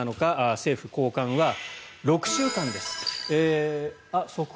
政府高官は６週間です。